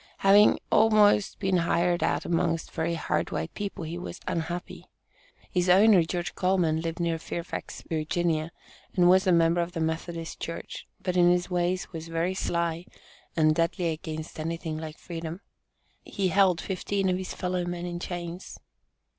Having "always been hired out amongst very hard white people," he was "unhappy." His owner, George Coleman, lived near Fairfax, Va., and was a member of the Methodist Church, but in his ways was "very sly," and "deadly against anything like Freedom." He held fifteen of his fellow men in chains.